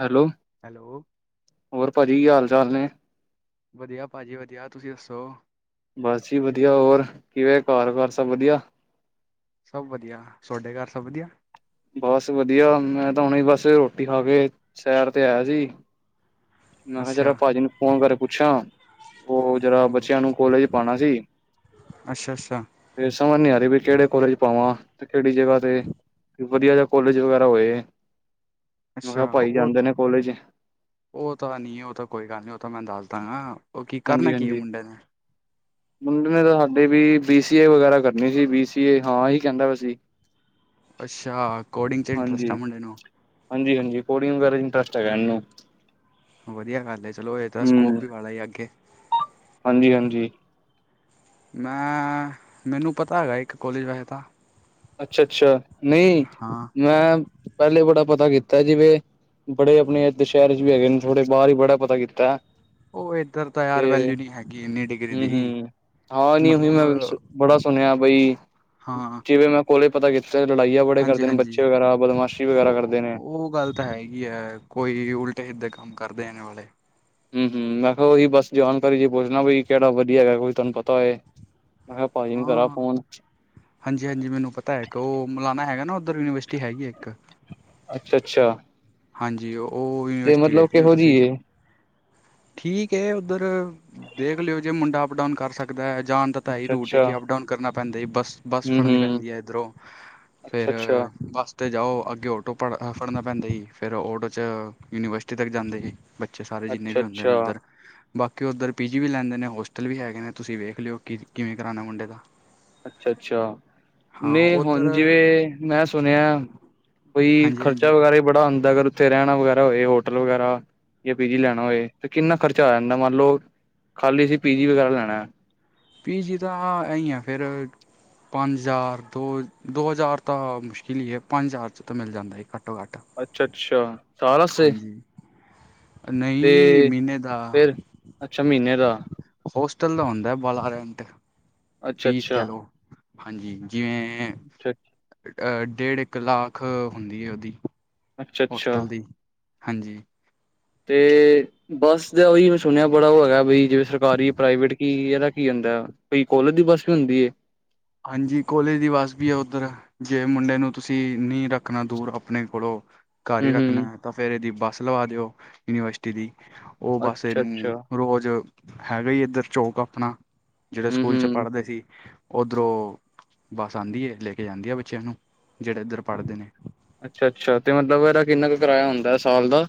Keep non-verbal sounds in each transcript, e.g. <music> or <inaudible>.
Hello hello. ਹੋਰ ਭਾਜੀ, ਕੀ ਹਾਲ ਚਾਲ ਨੇ ਵਧੀਆਂ ਭਾਜੀ ਵਧੀਆਂ ਤੁਸੀ ਦੱਸੋ? ਬਸ ਜੀ ਵਧੀਆ, ਹੋਰ ਕਿਵੇਂ ਘਰ ਵਾਰ ਸਭ ਵਧੀਆ ਸਭ ਵਧੀਆ, ਸੋਡੇ ਘਰ ਸਭ ਵਧੀਆ ਬਸ ਵਧੀਆ, ਮੈਂ ਤਾਂ ਹੁਣੇ ਬਸ ਰੋਟੀ ਖਾ ਕੇ ਸੈਰ ਤੇ ਆਇਆ ਸੀ। ਮੈਂ ਕਿਹਾ ਜ਼ਰਾ, ਅੱਛਾ ਭਾਜੀ ਨੂੰ ਫ਼ੋਨ ਕਰਕੇ ਪੁੱਛਾ ਉਹ। ਜ਼ਰਾ ਬੱਚਿਆਂ ਨੂੰ ਕੋਲੇਜ ਪਾਣਾ ਸੀ। ਅੱਛਾ ਅੱਛਾ ਤੇ ਸਮਝ ਨੀ ਆ ਰਹੀ ਵੀ ਕਿਹੜੇ ਕੋਲੇਜ ਪਾਵਾਂ ਤੇ ਕਿਹੜੀ ਜਗ੍ਹਾ ਤੇ ਵਧੀਆਂ ਜਾ ਕੋਲੇਜ ਵਗੈਰਾ ਹੋਏ। ਮੈਂ ਅੱਛਾ, ਕਿਹਾ ਭਾਈ ਉਹ ਜਾਂਦੇ ਨੇ ਕੋਲੇਜ ਉਹ ਤਾਂ ਨ੍ਹੀਂ ਉਹ ਤਾਂ ਕੋਈ ਗੱਲ ਨ੍ਹੀਂ ਉਹ ਤਾਂ ਮੈਂ ਦੱਸ ਦਾਂਗਾ। ਓ ਕੀ ਹਾਂਜੀ ਕਰਨਾ ਕੀ ਏ ਹਾਂਜੀ ਮੁੰਡੇ ਨੇ। ਮੁੰਡੇ ਨੇ ਤਾਂ ਸਾਡੇ ਵੀ ਬੀ ਸੀ ਏ ਵਗੈਰਾ ਕਰਨੀ ਸੀ ਬੀ ਸੀ ਏ ਹਾਂ ਈ ਕਹਿੰਦਾ ਵਾ ਸੀ। ਅੱਛਾ, ਕੋਡਿੰਗ 'ਚ ਇੰਟਰਸਟ ਹਾਂਜੀ ਆ ਮੁੰਡੇ ਨੂੰ। ਹਾਂਜੀ ਹਾਂਜੀ। ਕੋਡਿੰਗ ਵਗੈਰਾ ਹੈਗਾ ਇਹਨੂੰ। ਵਧੀਆਂ ਗੱਲ ਏ। ਚਲੋ, ਇਹਦਾ ਸਕੋਪ ਵੀ ਬਲਾਂ ਏ ਅੱਗੇ। ਹਾਂਜੀ-ਹਾਂਜੀ। ਮੈਂ ਮੈਨੂੰ ਪਤਾ ਹੈਗਾ ਇੱਕ ਕੋਲੇਜ ਵੈਸੇ ਤਾਂ। ਅੱਛਾ-ਅੱਛਾ। ਨਹੀਂ <inaudible> ਮੈਂ ਪਹਿਲੇ ਬੜਾ ਪਤਾ ਕੀਤਾ ਸੀ। ਜਿਵੇਂ ਬੜੇ ਆਪਣੇ ਦੁਸਹਿਰੇ ਵੀ ਹੈਗੇ ਨੇ ਥੋੜੇ ਬਾਹਰ ਹੀ ਬੜਾ ਪਤਾ ਕੀਤਾ। ਉਹ ਇਧਰ ਤਾਂ ਯਾਰ ਤੇ ਵੈਲਿਡੀ ਨਹੀਂ ਹੈਗੀ ਇੰਨੀ ਡਿਗਰੀ ਦੀ। ਹੂੰ-ਹੂੰ ਹਾਂ ਨਹੀਂ ਉਈ ਮਤਲਬ ਮੈਂ ਬੜਾ ਸੁਣਿਆ ਬਈ, ਹਾਂ ਜਿਵੇ ਮੈਂ ਕੋਲੇ ਪਤਾ ਕੀਤੇ ਲੜਾਈਆਂ ਬੜੇ ਹਾਂਜੀ ਕਰਦੇ ਨੇ, ਹਾਂਜੀ ਬੱਚੇ ਵਗੈਰਾ, ਬਦਮਾਸ਼ੀ ਵਗੈਰਾ ਉਹ ਕਰਦੇ ਨੇ। ਉਹ ਗੱਲ ਤਾਂ ਹੈਗੀ ਏ ਕੋਈ ਉਲਟੇ ਸਿੱਧੇ ਕੰਮ ਕਰਦੇ ਆ ਵਾਲੇ। ਹਮ ਹਮ ਮੈ ਕਿਹਾ ਉਹੀ ਬੱਸ ਜਾਣਕਾਰੀ ਜ ਪੁੱਛਣਾ ਬਈ ਕਿਹੜਾ ਵਧੀਆ ਹੈਗਾ ਤੁਹਾਨੂੰ ਪਤਾ ਹੋਏ। ਮੈਂ ਕਿਹਾ ਭਾਜੀ ਨੂੰ ਕਰਾਂ ਹਾਂ, ਫੋਨ ਹਾਂਜੀ-ਹਾਂਜੀ। ਮੈਨੂੰ ਪਤਾ ਇੱਕ ਉਹ ਮਲਾਨਾ ਹੈਗਾ ਨਾਂ ਉੱਧਰ ਯੂਨੀਵਰਸਿਟੀ ਹੈਗੀ ਇੱਕ। ਅੱਛਾ-ਅੱਛਾ। ਹਾਂਜੀ, ਉਹ ਤੇ ਯੂਨੀਵਰਸਿਟੀ ਮਤਲਬ ਵੇਖ ਲਿਓ ਕਿਹੋ ਜਿਹੀ ਤੁਸੀਂ ਏ। ਠੀਕ ਏ ਉੱਧਰ ਦੇਖ ਲਿਓ ਜੇ ਮੁੰਡਾ ਅਪਡਾਊਨ ਕਰ ਸਕ ਦਾ ਜਾਣ ਦਾ ਤਾਂ ਏ ਹੀ ਰੂਟ ਅੱਛਾ-ਅੱਛਾ ਕਿ ਅਪ ਡਾਊਨ ਕਰਨਾ ਪੈਂਦਾ ਜੀ ਬੱਸ। ਬੱਸ ਫੜਨੀ ਹੂੰ-ਹੂੰ ਪੈਂਦੀ ਏ ਇੱਧਰੋ। ਫਿਰ ਅੱਛਾ-ਅੱਛਾ ਬੱਸ ਤੇ ਜਾਓ ਅੱਗੇ ਆਟੋ ਪੜ ਫੜਨਾ ਪੈਂਦਾ ਜੀ ਫਿਰ ਆਟੋ 'ਚ ਯੂਨੀਵਰਸਿਟੀ ਤੱਕ ਜਾਂਦੇ ਜੀ। ਬੱਚੇ ਸਾਰੇ ਜਿੰਨੇ ਵੀ ਹੁੰਦੇ ਨੇ ਅੱਛਾ-ਅੱਛਾ ਉੱਧਰ। ਬਾਕੀ ਉੱਧਰ ਪੀ ਜੀ ਵੀ ਲੈਦੇ ਨੇ। ਹੋਸਟਲ ਵੀ ਹੈਗੇ ਨੇ ਤੁਸੀ ਵੇਖ ਲਿਓ ਕਿ ਕਿਵੇਂ ਕਰਾਣਾ ਮੁੰਡੇ ਦਾ। ਅੱਛਾ-ਅੱਛਾ। ਹਾਂ ਨਹੀਂ ਉੱਧਰ ਹੁਣ ਜਿਵੇਂ ਮੈਂ ਸੁਣਿਆ ਬਈ ਹਾਂਜੀ ਖ਼ਰਚਾ ਹਾਂਜੀ ਵਗੈਰਾ ਬੜਾ ਆਦਾਂਗਾ। ਉੱਥੇ ਰਹਿਣਾ, ਵਗੈਰਾ ਹੋਏ ਹੋਟਲ ਵਗੈਰਾ, ਜਾਂ ਪੀ ਜੀ ਲੈਣਾ ਹੋਏ ਤੇ ਕਿੰਨਾਂ ਖਰਚਾ ਆ ਜਾਂਦਾ ਮੰਨ ਲਓ ਖਾਲੀ ਅਸੀ ਪੀ ਜੀ ਵਗੈਰਾ ਲੈਣਾ। ਪੀ ਜੀ ਤਾਂ ਆਈ ਆ ਫਿਰ। ਪੰਜ ਹਜ਼ਾਰ ਦੋ-ਦੋ ਹਜ਼ਾਰ ਤਾਂ ਮੁਸ਼ਕਿਲ ਹੀ ਏ। ਪੰਜ ਹਜ਼ਾਰ 'ਚ ਤਾਂ ਮਿਲ ਜਾਂਦਾ ਏ ਘੱਟੋ-ਘੱਟ। ਅੱਛਾ-ਅੱਛਾ ਸਾਲ ਵਾਸਤੇ। ਨਹੀਂ ਤੇ ਮਹੀਨੇ ਦਾ ਫਿਰ, ਅੱਛਾ ਮਹੀਨੇ ਦਾ। ਹੋਸਟਲ ਦਾ ਹੁੰਦਾ ਵਾਲਾ ਰੈਂਟ। ਅੱਛਾ ਫੀਸ ਅੱਛਾ ਕਹਿ ਲੋ ਹਾਂਜੀ। ਜਿਵੇਂ ਅੱਛਾ। ਅ ਡੇਢ ਇੱਕ ਲਾਖ ਹੁੰਦੀ ਏ ਉਹਦੀ ਅੱਛਾ ਅੱਛਾ ਹੋਸਟਲ ਦੀ ਹਾਂਜੀ। ਤੇ ਬਸ ਦਾ ਉਹੀ ਮ ਸੁਣਿਆ ਬੜਾ ਉਹ ਹੈਗਾ ਬਈ ਜਿਵੇਂ ਸਰਕਾਰੀ, ਪ੍ਰਾਈਵੇਟ ਕੀ ਇਹਦਾ ਕੀ ਹੁੰਦਾ। ਭਈ ਕੋਲਜ ਦੀ ਬੱਸ ਵੀ ਹੁੰਦੀ ਏ। ਹਾਂਜੀ, ਕੋਲੇਜ ਦੀ ਬੱਸ ਵੀ ਏ ਉੱਧਰ। ਜੇ ਮੁੰਡੇ ਨੂੰ ਤੁਸੀ ਨੀ ਰੱਖਣਾ ਦੂਰ ਆਪਣੇ ਕੋਲੋਂ ਘਰ ਹਮ ਹੀ ਰੱਖਣਾ ਹਮ ਏ ਤਾਂ ਫਿਰ ਇਹਦੀ ਬੱਸ ਲਵਾ ਦਿਓ ਯੂਨੀਵਰਸਿਟੀ ਦੀ। ਉਹ ਬਸ ਅੱਛਾ ਅੱਛਾ ਇਹਨੂੰ ਰੋਜ਼ ਹੈਗਾ ਹੀ ਏਧਰ ਚੌਕ ਆਪਣਾ। ਜਿਹੜੇ ਹਮ ਸਕੂਲ 'ਚ' ਹਮ ਪੜ੍ਹਦੇ ਸੀ। ਉੱਧਰੋਂ ਬੱਸ ਆਦੀ ਹੈ, ਲੈ ਕੇ ਜਾਂਦੀ ਆ ਬੱਚਿਆਂ ਨੂੰ ਜਿਹੜੇ ਇੱਧਰ ਪੜ੍ਹਦੇ ਨੇਂ ਅੱਛਾ-ਅੱਛਾ ਤੇ ਮਤਲਬ ਇਹਦਾ ਕਿੰਨਾ ਕੁ ਕਿਰਾਇਆ ਹੁੰਦਾ ਸਾਲ ਦਾ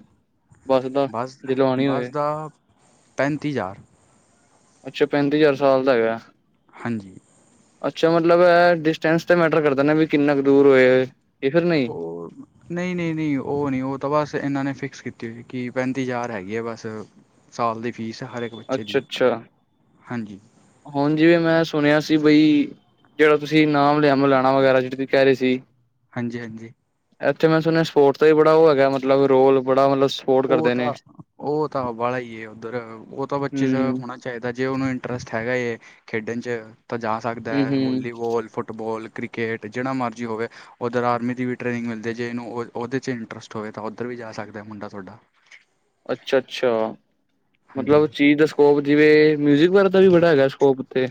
ਬੱਸ ਦਾ ਜਦੋ ਆਉਣੀ ਬੱਸ ਹੋਵੇ। ਦਾ ਪੈਂਤੀ ਹਜ਼ਾਰ। ਅੱਛਾ, ਪੈਂਤੀ ਹਜ਼ਾਰ ਸਾਲ ਦਾ ਹੈਗਾ। ਹਾਂਜੀ। ਅੱਛਾ ਮਤਲਬ ਡਿਸਟੈਂਸ ਤਾਂ ਮੈਟਰ ਕਰਦਾ ਵੀ ਕਿੰਨਾ ਕੁ ਦੂਰ ਹੋਏ ਇਹ ਫਿਰ ਨਹੀਂ ਹੋਰ। ਨਹੀ-ਨਹੀ-ਨਹੀ ਉਹ ਨਹੀ ਉਹ ਤਾਂ ਬਸ ਇਹਨਾਂ ਨੇ ਫਿਕਸ ਕੀਤੀ ਕਿ ਪੈਂਤੀ ਹਜ਼ਾਰ ਹੈਗੀ ਆ ਬਸ। ਸਾਲ ਦੀ ਫ਼ੀਸ ਹਰ ਇੱਕ ਬੱਚੇ ਅੱਛਾ ਦੀ। ਅੱਛਾ ਹਾਂਜੀ ਹੁਣ ਜਿਵੇਂ ਮੈਂ ਸੁਣਿਆ ਸੀ ਬਈ। ਜਿਹੜਾ ਤੁਸੀਂ ਨਾਮ ਲਿਆ ਮਲਾਣਾ ਵਗੈਰਾ ਜਿਹੜੇ ਕਹਿ ਰਹੇ ਸੀ। ਹਾਂਜੀ-ਹਾਂਜੀ। ਇੱਥੇ ਮੈਂ ਸੁਣਿਆ ਸਪੋਰਟ ਦਾ ਵੀ ਹੈਗਾ ਮਤਲਬ ਰੋਲ ਬੜਾ। ਸਪੋਰਟ ਉਹ ਕਰਦੇ ਨੇ ਤਾਂ ਉਹ ਤਾਂ ਵਾਲਾ ਹੀ ਉੱਧਰ ਉਹ ਤਾਂ ਬੱਚੇ ਚ ਹੂੰ ਹੋਣਾ ਚਾਹੀਦਾ, ਜੇ ਉਹਨੂੰ ਇੰਟਰਸਟ ਹੈਗਾ ਹੈ ਖੇਡਣ 'ਚ। ਤਾਂ ਜਾ ਸਕਦਾ ਹੂੰ ਏ। ਹੂੰ ਵੋਲੀਬੋਲ, ਫੁੱਟਬੋਲ, ਕ੍ਰਿਕਟ ਜਿਹੜਾ ਮਰਜ਼ੀ ਹੋਵੇ। ਉੱਧਰ ਆਰਮੀ ਦੀ ਵੀ ਟ੍ਰੇਨਿੰਗ ਮਿਲਦੀ। ਜੇ ਇਹਨੂੰ ਉਹ ਉਹਦੇ 'ਚ' ਇੰਟਰਸਟ ਹੋਵੇ ਤਾਂ ਉੱਧਰ ਵੀ ਜਾ ਸਕਦਾ ਮੁੰਡਾ ਥੋਡਾ। ਅੱਛਾ- ਅੱਛਾ। ਹਾਂਜੀ ਮਤਲਬ ਚੀਜ਼ ਦੱਸ ਸਕੋਪ ਜਿਵੇਂ ਮਿਊਜ਼ਿਕ ਬਾਰੇ ਤਾਂ ਵੀ ਬੜਾ ਹੈਗਾ ਸਕੋਪ ਉਥੇ।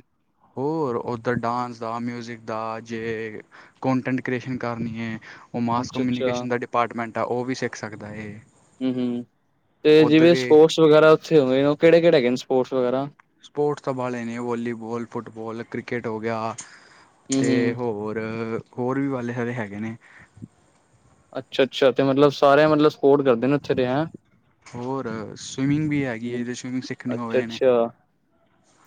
ਹੋਰ ਉੱਧਰ ਡਾਂਸ ਦਾ, ਮਿਊਜਿਕ ਦਾ ਜੇ। ਕੋਂਟੈਂਟ ਕ੍ਰੀਏਸ਼ਨ ਕਰਨੀ ਏ। ਉਹ ਮਾਸ ਅੱਛਾ ਅੱਛਾ ਕਮਿਊਨੀਕੇਸ਼ਨ ਦਾ ਡਿਪਾਰਟਮੈਂਟ ਆ। ਉਹ ਵੀ ਸਿੱਖ ਸਕਦਾ ਏ। ਹੂੰ ਹੂੰ ਤੇ ਜਿਵੇਂ ਸਪੋਰਟਸ ਵਗੈਰਾ ਉੱਥੇ ਹੁੰਦੇ ਨੇ। ਉਹ ਕਿਹੜੇ-ਕਿਹੜੇ ਹੈਗੇ ਨੇ ਸਪੋਰਟਸ ਵਗੈਰਾ? ਸਪੋਰਟਸ ਤਾਂ ਵਾਲੇ ਨੇ ਵਾਲੀਬਾਲ, ਫੁੱਟਬਾਲ, ਕ੍ਰਿਕਟ ਹੋ ਗਿਆ। ਹੂੰ ਤੇ ਹੂੰ ਹੋਰ- ਹੋਰ ਵੀ ਵਾਲੇ ਸਾਰੇ ਹੈਗੇ ਨੇ। ਅੱਛਾ-ਅੱਛਾ ਤੇ ਮਤਲਬ ਸਾਰੇ ਮਤਲਬ ਸਪੋਰਟ ਕਰਦੇ। ਨੇ ਉੱਥੇ ਦੇ ਹੈਂ। ਹੋਰ ਸਵਿਮਿੰਗ ਵੀ ਹੈਗੀ ਏ। ਸਵਿਮਿੰਗ ਸਿੱਖਣੀ ਹੋਵੇ ਇਹਨੇ। ਅੱਛਾ-ਅੱਛਾ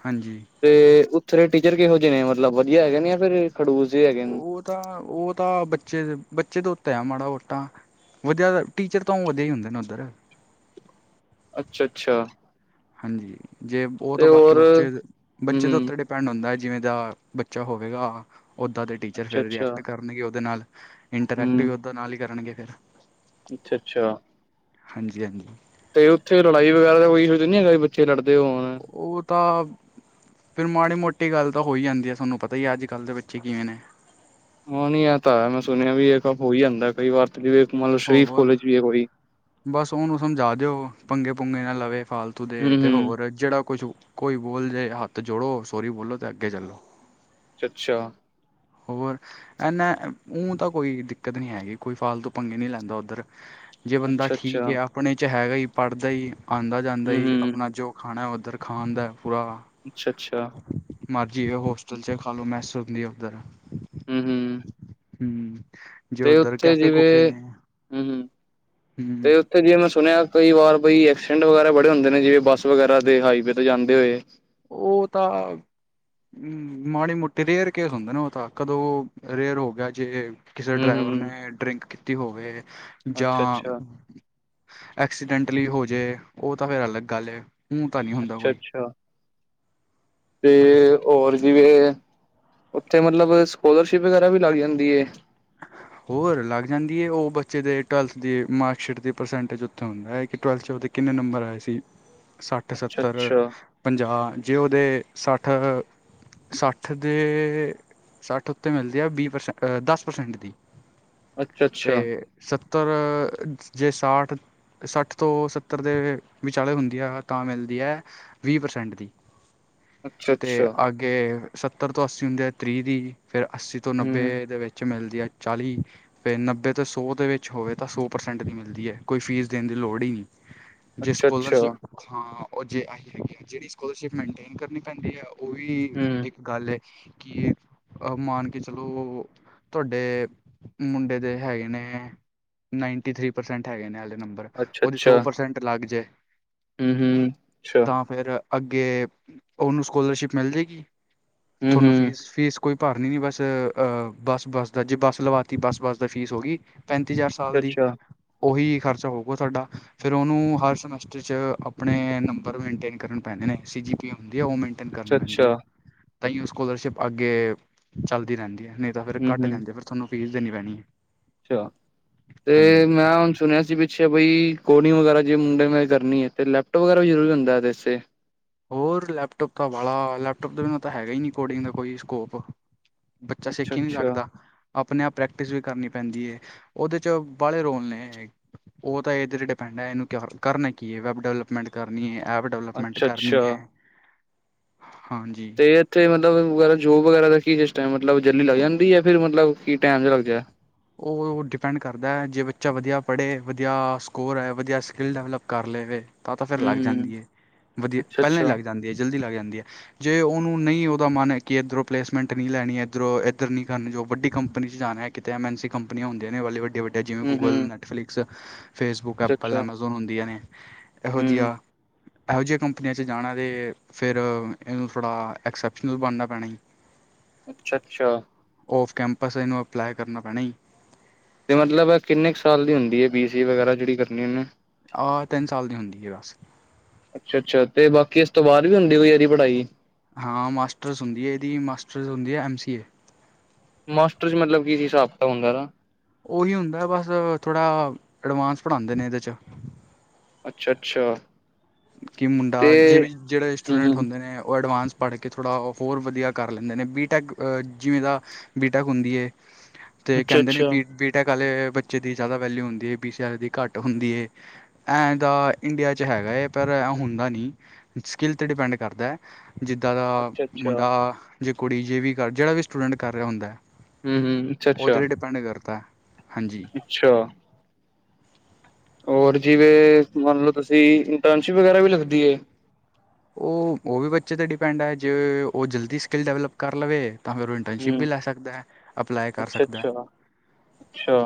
ਹਾਂਜੀ। ਤੇ ਉੱਥੇ ਟੀਚਰ ਕਿਹੋ ਜਿਹੇ ਨੇ ਮਤਲਬ ਵਧੀਆ ਹੈਗੇ ਨੇ ਜਾਂ ਫਿਰ ਖੜੂਸ ਜ ਹੈਗੇ ਨੇ? ਉਹ ਤਾਂ ਉਹ ਤਾਂ ਬੱਚੇ ਦੇ ਬੱਚੇ ਉੱਤੇ ਆ ਮਾੜਾ ਮੋਟਾ। ਵਧੀਆ ਟੀਚਰ ਤਾਂ ਉਹ ਵਧੀਆ ਹੀ ਹੁੰਦੇ ਨੇ ਉੱਧਰ। ਅੱਛਾ -ਅੱਛਾ। ਹਾਂਜੀ, ਜੇ ਉਹ ਤਾਂ ਬਾਕੀ ਬੱਚੇ- ਬੱਚੇ ਦੇ ਹੂੰ-ਹੂੰ ਉੱਤੇੇ ਪੈਂਡ ਹੁੰਦਾ। ਜਿਵੇਂ ਦਾ ਬੱਚਾ ਹੋਵੇਗਾ ਓਦਾਂ ਦੇ। ਟੀਚਰ ਫਿਰ ਅੱਛਾ-ਅੱਛਾ ਰਿਐਕਟ ਕਰਨਗੇ। ਉਹਦੇ ਨਾਲ ਇੰਟਰੈਕਟ ਵੀ ਹੂੰ ਉਹ ਨਾਲ ਹੀ ਕਰਨਗੇ ਫਿਰ। ਅੱਛਾ-ਅੱਛਾ। ਹਾਂਜੀ- ਹਾਂਜੀ। ਤੇ ਉੱਥੇ ਲੜਾਈ ਵਗੈਰਾ ਦਾ ਕੋਈ ਇਸ਼ੂ ਨੀ ਹੈਗਾ ਵੀ ਬੱਚੇ ਲੜਦੇ ਹੋਣ? ਉਹ ਤਾਂ ਫਿਰ ਮਾੜੀ- ਮੋਟੀ ਗੱਲ ਤਾਂ ਹੋਈ ਜਾਂਦੀ ਏ। ਤੁਹਾਨੂੰ ਪਤਾ ਹੀ ਹੈ। ਅੱਜ-ਕੱਲ੍ਹ ਦੇ ਬੱਚੇ ਕਿਵੇਂ ਨੇ। ਉਹ ਨਹੀਂ ਆ ਤਾਂ ਮੈਂ ਸੁਣਿਆ ਵੀ ਹੋਈ ਜਾਂਦਾ ਕਈ ਵਾਰ ਸ਼ਰੀਫ ਹੋਰ ਕੋਲਜ ਵੀ ਹੈ ਕੋਈ। ਬਸ ਉਹਨੂੰ ਸਮਝਾ ਦਿਓ। ਪੰਗੇ-ਪੁੰਗੇ ਨਾ ਲਵੇ ਫਾਲਤੂ ਦੇ ਤੇ ਹੂੰ-ਹੂੰ ਹੋਰ ਜਿਹੜਾ ਕੁਛ ਕੋਈ ਬੋਲ ਜੇ ਹੱਥ ਜੋੜੋ ਸੋਰੀ ਬੋਲੋ ਤਾਂ ਅੱਗੇ ਚੱਲੋ। ਚੱਛਾ। ਹੋਰ ਇਨਾ ਉਤਾਂ ਕੋਈ ਦਿੱਕਤ ਨਹੀਂ ਹੈਗੀ ਕੋਈ ਫਾਲਤੂ ਪੰਗੇ ਨੀ ਲੈਂਦਾ ਉੱਧਰ। ਜੇ ਬੰਦਾ ਠੀਕ ਅੱਛਾ-ਅੱਛਾ ਹੈ। ਆਪਣੇ 'ਚ' ਹੈਗਾ ਪੜ੍ਹਦਾ ਹੀ ਆਉਂਦਾ ਜਾਂਦਾ ਹੂੰ-ਹੂੰ ਆਪਣਾ ਜੋ ਖਾਣਾ ਉੱਧਰ ਖਾਣ ਦਾ ਪੂਰਾ। ਅੱਛਾ-ਅੱਛਾ। ਮਰਜ਼ੀ ਏ ਹੋਸਟਲ ਚ ਖਾਲੋ ਮੈਂਸ ਹੁੰਦੀ ਆ ਉੱਧਰ। ਹਮ- ਹਮ। ਹਮ ਜੇ ਉੱਧਰ ਉੱਥੇ ਕੈਫੇ-ਕੂਫੇ ਜਿਵੇਂ ਨੇ। ਹਮ ਹਮ ਤੇ ਤੇ ਜੇ ਮੈਂ ਸੁਣਿਆ ਕਈ ਵਾਰ ਬਈ ਐਕਸੀਡੈਂਟ ਵਗੈਰਾ ਬੜੇ ਹੁੰਦੇ ਨੇ। ਜਿਵੇ ਬੱਸ ਵਗੈਰਾ ਤੇ ਹਾਈਵੇ ਤੇ ਜਾਂਦੇ ਹੋਏ। ਉਹ ਤਾਂ। ਹਮ ਮਾੜੀ ਮੋਟੀ ਰੇਅਰ ਕੇਸ ਹੁੰਦੇ ਨਾ। ਉਹ ਤਾਂ ਕਦੋਂ ਰੇਅਰ ਹੋ ਗਿਆ ਜੇ ਕਿਸੇ ਹੂੰ, ਹੂੰ, ਡਰਾਈਵਰ ਹੂੰ। ਨੇ ਡਰਿੰਕ ਕੀਤੀ ਹੋਵੇ ਜਾਂ। ਅੱਛਾ-ਅੱਛਾ, ਐਕਸੀਡੈਂਟਲੀ ਹੋ ਜੇ ਉਹ ਤਾਂ ਫਿਰ ਅਲੱਗ ਗੱਲ ਏ। ਊਂ ਤਾਂ ਨਹੀਂ ਹੁੰਦਾ ਕੋਈ ਅੱਛਾ-ਅੱਛਾ, ਤੇ ਔਰ ਵੀਰੇ। ਉੱਥੇ ਮਤਲਬ ਸਕੋਲਰਸ਼ਿਪ ਵਗੈਰਾ ਵੀ ਲੱਗ ਜਾਂਦੀ ਏ। ਹੋਰ ਲੱਗ ਜਾਂਦੀ ਹੈ ਉਹ ਬੱਚੇ ਦੇ ਟਵੈਲਥ ਦੀ ਮਾਰਕਸ਼ੀਟ ਦੀ ਪਰਸੈਂਟੇਜ ਉੱਥੇ ਹੁੰਦਾ ਹੈ ਕਿ ਟੁਵੈਲਥ ਚ ਉਹਦੇ ਕਿੰਨੇ ਨੰਬਰ ਆਏ ਸੀ? <inaudible> ਸੱਠ, ਸੱਤਰ, ਅੱਛਾ-ਅੱਛਾ, ਪੰਜਾਹ ਜੇ ਉਹਦੇ ਸੱਠ ਸੱਠ ਦੇ ਸੱਠ ਉੱਤੇ ਮਿਲਦੇ ਆ ਵੀਹ ਪ੍ਰਸੈਂਹ ਦਸ ਪ੍ਰਸੈਂਟ ਦੀ, ਅੱਛਾ-ਅੱਛਾ, ਤੇ ਸੱਤਰ ਜੇ ਸਾਠ ਦੀ ਸੱਠ ਤੋਂ ਸੱਤਰ ਦੇ ਵਿਚਾਲੇ ਹੁੰਦੀ ਹੈ ਤਾਂ ਮਿਲਦੀ ਐ। ਵੀਹ ਪ੍ਰਸੈਂਟ ਦੀ। ਤੇ ਅੱਛਾ-ਅੱਛਾ, ਅੱਗੇ ਸੱਤਰ ਤੋਂ ਅੱਸੀ ਹੁੰਦੇ ਆ ਤ੍ਰੀਹ ਦੀ ਫੇਰ ਅੱਸੀ ਤੋਂ ਨੱਬੇ ਹੂੰ, ਦੇ ਵਿੱਚ ਮਿਲਦੀ ਹੈ ਚਾਲੀ ਫਿਰ ਨੱਬੇ ਤੇ ਸੌ ਦੇ ਵਿੱਚ ਹੋਵੇ ਤਾਂ ਸੌ ਪ੍ਰਸੈਂਟ ਦੀ ਮਿਲਦੀ ਹੈ ਕੋਈ ਫੀਸ ਦੇਣ ਦੀ ਲੋੜ ਈ ਨੀ। ਜੇ ਅੱਛਾ-ਅੱਛਾ, ਸਕੋਲਰਸ਼ਿਪ ਹਾਂ ਜੇ ਆਹੀ ਹੈਗੀ ਆ ਜਿਹੜੀ ਸਕੋਲਰਸ਼ਿਪ ਮੇਨਟੇਨ ਕਰਨੀ ਪੈਂਦੀ ਆ ਉਹ ਵੀ ਹੂੰ। ਇੱਕ ਗੱਲ ਹੈ ਕਿ ਮਾਨ ਕੇ ਚਲੋ। ਤੁਹਾਡੇ ਮੁੰਡੇ ਦੇ ਹੈਗੇ ਨੇ ਨਾਈਨਟੀ ਥ੍ਰਰੀ ਪਰਸੈਂਟ ਹੈਗੇ ਨੇਲੇ ਨੰਬਰ ਉਹਦੀ ਸੌ ਪਰਸੈਂਟ ਲੱਗ ਜਾਏ। ਹਮ -ਹਮ, ਅੱਛਾ ਤਾਂ ਫਿਰ ਅੱਗੇ ਉਹਨੂੰ ਸਕੋਲਰਸ਼ਿਪ ਮਿਲ ਜਾਵੇਗੀ, ਤੁਹਾਨੂੰ ਹੂੰ-ਹੂੰ, ਫੀਸ -ਫੀਸ ਕੋਈ ਭਰ ਨੀ, ਨੀ ਬਸ ਅਹ ਬੱਸ-ਬੱਸ ਦਾ ਜੇ ਬੱਸ ਲਵਾਤੀ ਬੱਸ-ਬੱਸ ਦਾ ਫੀਸ ਹੋ ਗੀ। ਪੈਂਤੀ ਹਜ਼ਾਰ ਸਾਲ ਦੀ ਅੱਛਾ, ਉਹੀ ਖ਼ਰਚਾ ਹੋਊਗਾ ਤੁਹਾਡਾ। ਫਿਰ ਉਹਨੂੰ ਹਰ ਸਮੈਸਟਰ ਚ ਆਪਣੇ ਨੰਬਰ ਮੇਨਟੇਨ ਕਰਨ ਪੈਂਦੇ ਨੇ ਸੀ ਜੀ। ਹੁੰ ਉਹ ਮੇਨਟੇਨ ਕਰਨੀ ਪੈਂਦੀ ਹੈ ਅੱਛਾ-ਅੱਛਾ, ਤਾਂ ਉਹ ਸਕੋਲਰਸ਼ਿਪ ਅੱਗੇ ਚੱਲਦੀ ਰਹਿੰਦੀ ਆ ਨੇ। ਫਿਰ ਘੱਟ ਹੂੰ-ਹੂੰ, ਜਾਂਦੇ ਫਿਰ ਤੁਹਾਨੂੰ ਫੀਸ ਦੇਣੀ ਪੈਣੀ ਆ। ਅੱਛਾ, ਤੇ ਮੈਂ ਹੁਣ ਸੁਣਿਆ ਸੀ ਵੀ ਅੱਛਾ ਬਾਈ, ਕੋਡਿੰਗ ਵਗੈਰਾ ਜੇ ਮੁੰਡੇ ਮੈਂ ਕਰਨੀ ਹੈ ਤਾਂ ਲੈਪਟੋਪ ਵਗੈਰਾ ਵੀ ਜ਼ਰੂ ਹੁੰਦਾ ਇਹਦੇ ਵਾਸਤੇ। ਹੋਰ ਲੈਪਟੋਪ ਤਾਂ ਵਾਲਾ ਲੈਪਟੋਪ ਦੇ ਬਿਨਾਂ ਤਾਂ ਹੈਗਾ ਹੀ ਨਹੀਂ ਕੋਡਿੰਗ ਦਾ ਕੋਈ ਸਕੋਪ। ਬੱਚਾ ਸਿੱਖ ਈ ਨੀ ਅੱਛਾ-ਅੱਛਾ, ਸਕਦਾ। ਆਪਣੇ ਆਪ ਪ੍ਰੈਕਟਿਸ ਵੀ ਕਰਨੀ ਪੈਂਦੀ ਹੈ ਉਹਦੇ 'ਚ ਬਾਹਲੇ ਰੋਲ ਨੇ ਉਹ ਤਾਂ ਇਹਦੇ ਤੇ ਡਿਪੈਂਡ ਹੈ ਇਹਨੂੰ ਕਰਨਾ ਕੀ ਹੈ ਵੈਬ ਡਿਵਲਪਮੈਂਟ ਕਰਨੀ ਏ। ਐਪ ਡਿਵਲਪਮੈਂਟ ਕਰਨੀ ਐ, ਅੱਛਾ-ਅੱਛਾ ਹਾਂਜੀ। ਫਿਰ ਇੱਥੇ ਮਤਲਬ ਵਗਰਾ ਜੋਬ ਵਗੈਰਾ ਦਾ ਕੀ ਸਿਸਟਮ ਏ ਮਤਲਬ ਜਲਦੀ ਲੱਗ ਜਾਂਦੀ ਹੈ ਫਿਰ ਮਤਲਬ ਕੀ ਟਾਈਮ ਜ ਲੱਗ ਜਾਏ। ਉਹ ਡਿਪੈਂਡ ਕਰਦਾ ਜੇ ਬੱਚਾ ਵਧੀਆ ਪੜ੍ਹੇ ਵਧੀਆ ਸਕੋਰ ਹੈ ਵਧੀਆ ਸਕਿੱਲ ਡਿਵਲਪ ਕਰ ਲਵੇ। ਤਾਂ ਤਾਂ ਫਿਰ ਲੱਗ ਹੂੰ-ਹੂੰ, ਜਾਂਦੀ ਏ ਵਧੀਆ ਪਹਿਲਾਂ ਹੀ ਅੱਛਾ-ਅੱਛਾ, ਲੱਗ ਜਾਂਦੀ ਹੈ ਜਲਦੀ ਲੱਗ ਜਾਂਦੀ ਏ। ਜੇ ਉਹਨੂੰ ਨਹੀਂ ਉਹਦਾ ਮਨ ਕਿ ਇੱਧਰੋਂ ਪਲੇਸਮੈਂਟ ਨਹੀਂ ਲੈਣੀ ਇੱਧਰੋਂ ਇੱਧਰ ਨਹੀਂ ਕਰਨੀ ਜੋ ਵੱਡੀ ਕੰਪਨੀ ਚ ਜਾਣਾ ਏ। ਕਿਤੇ ਐਮ ਐਨ ਸੀ ਕੰਪਨੀ ਹੁੰਦੀਆਂ ਨੇ ਵਾਲੇ ਵੱਡੇ ਵੱਡੇ ਜਿਵੇਂ- ਗੂਗਲ, ਹੂੰ-ਹੂੰ, ਨੈਟਫਲਿਕਸ, ਫੇਸ਼ਬੁੱਕ, ਐਪਲ ਅੱਛਾ-ਅੱਛਾ, ਐਪ ਹੁੰਦੀਆਂ ਨੇ, ਇਹੋ ਹੂੰ, ਜਿਹੀਆਂ ਇਹੋ ਜਿਹੀਆਂ ਕੰਪਨੀਆਂ 'ਚ ਜਾਣਾ ਅਤੇ ਫਿਰ ਇਹਨੂੰ ਥੋੜ੍ਹਾ ਐਕਸੈਪਸ਼ਨਲ ਬਣਨਾ ਪੈਣਾ ਏ। ਅੱਛਾ ਅੱਛਾ ਔਫ਼ ਕੈਂਪਸ ਇਹਨੂੰ ਅਪਲਾਈ ਕਰਨਾ ਪੈਣਾ ਈ। ਤੇ ਮਤਲਬ ਕਿੰਨੇ ਕੁ ਸਾਲ ਦੀ ਹੁੰਦੀ ਹੈ ਬੀ ਸੀ ਵਗੈਰਾ ਜਿਹੜੀ ਕਰਨੀ ਉਹਨੇ ਆਹ ਤਿੰਨ ਸਾਲ ਦੀ ਹੁੰਦੀ ਆ ਬਸ। ਅੱਛਾ ਅੱਛਾ ਤੇ ਬਾਕੀ ਇਸ ਤੋਂ ਬਾਅਦ ਵੀ ਹੁੰਦੀ ਕੋਈ ਇਹਦੀ ਪੜ੍ਹਾਈ। ਹਾਂ ਮਾਸਟਰਸ ਹੁੰਦੀ ਏ ਮਾਸਟਰਸ ਹੁੰਦੀ ਆ ਐਮ ਸੀ ਏ। ਮਾਸਟਰ ਚ ਮਤਲਬ ਕੀ ਸੀ ਹਿਸਾਬ ਕਿਤਾਬ ਹੁੰਦਾ ਇਹਦਾ। ਉਹੀ ਹੁੰਦਾ ਬਸ ਥੋੜ੍ਹਾ ਐਡਵਾਂਸ ਪੜ੍ਹਾਦੇ ਨੇ ਇਹਦੇ 'ਚ। ਅੱਛਾ ਅੱਛਾ ਕਿ ਮੁੰਡਾਂ ਜਿਵੀ ਜਿਹੜੇ ਸਟੂਡੈਂਟ ਹੂੰ-ਹੂੰ, ਹੁੰਦੇ ਨੇ ਉਹ ਐਡਵਾਂਸ ਪੜ੍ਹ ਕੇ ਥੋੜ੍ਹਾ ਹੋਰ ਵਧੀਆਂ ਕਰ ਲੈਂਦੇ ਨੇ ਬੀ ਟੈਂਕ ਜਿਵੇਂ ਦਾ ਬੀ ਟੈਂਕ ਹੁੰਦੀ ਹੈ ਤੇ ਕਹਿੰਦੇ ਨੇ ਅੱਛਾ-ਅੱਛਾ, ਬੀ ਬੀਟੈਂਕ ਆਲੇ ਬੱਚੇ ਦੀ ਜ਼ਿਆਦਾ ਵੈਲਿਊ ਹੁੰਦੀ ਹੈ ਬੀ ਸੀ ਆਲੇ ਦੀ ਘੱਟ ਹੁੰਦੀ ਹੈ। ਐਂ ਦਾ ਇੰਡੀਆਂ 'ਚ ਹੈਗਾ ਏ ਪਰ ਐ ਹੁੰਦਾ ਨੀ ਸਕਿੱਲ 'ਤੇ ਡਿਪੈਂਡ ਜ਼ਿੱਦਾ ਦਾ ਅੱਛਾ-ਅੱਛਾ, ਮੁੰਡਾ ਜੇ ਕੁੜੀ ਜੇ ਵੀ ਕਰ ਜਿਹੜਾ ਵੀ ਸਟੂਡੈਂਟ ਕਰ ਰਿਹਾ ਹੁੰਦਾ ਹੂੰ-ਹੂੰ, ਉਹਦੇ ਅੱਛਾ-ਅੱਛਾ, ਹੀ ਡਿਪੈਂਡ ਕਰਤਾ। ਹਾਂਜੀ ਅੱਛਾ ਹੋਰ ਜਿਵੇਂ ਮੰਨ ਲਓ ਤੁਸੀਂ ਇੰਟਰਨਸ਼ਿਪ ਵਗੈਰਾ ਵੀ ਲੱਗਦੀ ਐ ਓ ਉਹ ਵੀ ਬੱਚੇ 'ਤੇ ਡਿਪੈਂਡ ਏ ਜੇ ਉਹ ਜਲਦੀ ਸਕਿੱਲ ਡਿਵਲਪ ਕਰ ਲਵੇ ਤਾਂ ਫਿਰ ਉਹ ਇੰਟਰਨਸ਼ਿਪ ਹੂੰ, ਵੀ ਲੈ ਸਕਦਾ ਅਪਲਾਈ ਕਰ ਸਕਦਾ ਅੱਛਾ-ਅੱਛਾ, ਅੱਛਾ,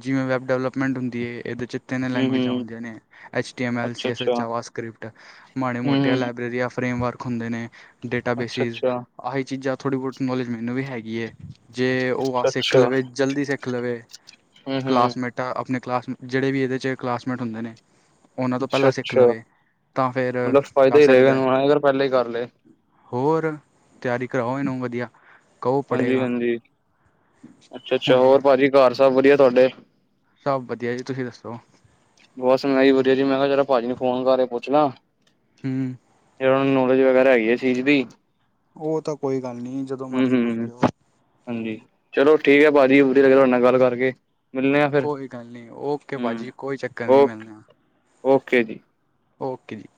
ਜਿਵੇਂ ਵੈੱਬ ਡਿਵਲਪਮੈਂਟ ਹੁੰਦੀ ਏ ਇਹਦੇ ਚ ਤਿੰਨ ਲੈਂਗੁਏਜਾਂ ਹੂੰ-ਹੂੰ, ਹੁੰਦੀ ਨੇ H T M L, C H S, ਅੱਛਾ-ਅੱਛਾ, ਜਾਵਾ ਸਕ੍ਰਿਪਟ ਮਾੜੇ ਮੋਟੇ ਹੂੰ-ਹੂੰ, ਫਰੇਮ ਵਰਕ ਹੁੰਦੇ ਨੇ ਡੇਟਾ ਬੇਸਿਸ ਅੱਛਾ-ਅੱਛਾ, ਆਹੀ ਚੀਜ਼ਾਂ ਥੋੜ੍ਹੀ ਬਹੁਤੀ ਨੋਲੇਜ ਮੈਨੂੰ ਵੀ ਹੈਗੀ ਏ ਜੇ ਉਹ ਆ ਸਿੱਖ ਅੱਛਾ-ਅੱਛਾ, ਲਵੇ ਜਲਦੀ ਸਿੱਖ ਲਵੇ ਹੂੰ-ਹੂੰ, ਕਲਾਸਮੇਟ ਤਾਂ ਆਪਣੇ ਕਲਾਸਮੇਟ ਜਿਹੜੇ ਵੀ ਇਹਦੇ 'ਚ ਕਲਾਸਮੇਟ ਹੁੰਦੇ ਨੇ ਉਹਨਾਂ ਤੋਂ ਪਹਿਲਾਂ ਸਿੱਖ ਲਵੇ ਤਾਂ ਫ਼ੇਰ ਫ਼ਾਇਦਾ ਹੀ ਰਹੇਗਾ ਹਨਾ ਅਗਰ ਪਹਿਲੇ ਕਰ ਲੇ ਹੋਰ ਤਿਆਰੀ ਕਰਾਓ ਇਹਨੂੰ ਵਧੀਆਂ ਹਾਂਜੀ ਹਾਂਜੀ ਅੱਛਾ ਅੱਛਾ ਹੁਣੇ ਹੋਰ ਭਾਜੀ ਘਰ ਸਭ ਵਧੀਆਂ ਤਾਂਡੇ ਸਭ ਵਧੀਆਂ ਜੀ ਤੁਸੀਂ ਦੱਸੋਂ? ਬਸ ਮੈਂ ਵਧੀਆਂ ਜੀ ਮੈਂ ਕਿਹਾ ਚਲੋ ਭਾਜੀ ਨੂੰ ਫ਼ੋਨ ਕਰ ਪੁੱਛਲਾ ਹੂੰ ਇਹਨੂੰ ਨੌਲੇਜ ਵਗੈਰਾ ਹੈਗੀ ਏ ਚੀਜ਼ ਦੀ ਉਹ ਤਾਂ ਕੋਈ ਗੱਲ ਨੀ ਜਦੋਂ ਮਰਜ਼ੀ ਪੁੱਛ ਹੂੰ-ਹੂੰ, ਲਿਓ ਹਾਂਜੀ ਚਲੋ ਠੀਕ ਆ ਭਾਜੀ ਵਧੀਆਂ ਲੱਗਿਆ ਤਾਡੇ ਨਾਲ਼ ਗੱਲ ਕਰਕੇ ਮਿਲਣੇ ਆ ਫਿਰ, ਕੋਈ ਗੱਲ ਨੀ ਓਕੇ ਹੂੰ, ਭਾਜੀ ਕੋਈ ਚੱਕਰ ਨੀ ਓਕੇ, ਮਿਲਣੇ ਓਕੇ ਜੀ। ਓਕੇ ਜੀ।